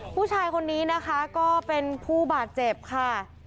ผู้ชายคนนี้นะคะก็เป็นผู้บาดเจ็บค่ะ